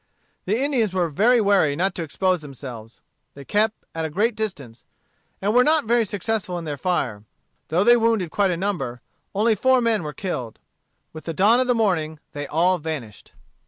The Indians were very wary not to expose themselves. They kept at a great distance, and were not very successful in their fire. Though they wounded quite a number, only four men were killed. With the dawn of the morning they all vanished.